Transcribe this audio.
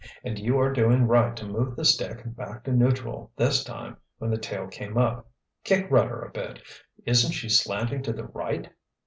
And you are doing right to move the stick back to neutral this time when the tail came up—kick rudder a bit, isn't she slanting to the right?